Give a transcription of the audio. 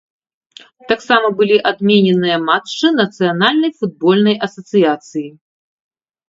Таксама былі адмененыя матчы нацыянальнай футбольнай асацыяцыі.